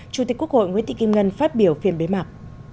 chủ tịch quốc hội nguyễn thị kim ngân phát biểu phiên bế mạc